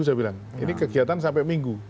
saya bilang ini kegiatan sampai minggu